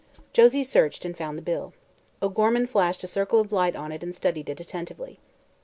Josie searched and found the bill. O'Gorman flashed a circle of light on it and studied it attentively.